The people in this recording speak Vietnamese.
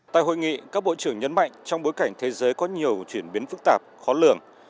tại hội nghị các bộ trưởng nhấn mạnh trong bối cảnh thế giới có nhiều chuyển biến phức tạp khó lường